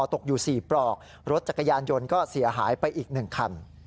ตกอยู่๔ปลอกรถจักรยานยนต์ก็เสียหายไปอีก๑คัน